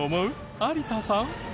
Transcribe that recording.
有田さん。